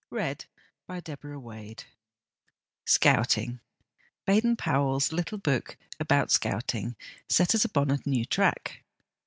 ' RED INDIAN ' LIFE Scouting. Baden Powell's little book about Scout ing set us upon a new track.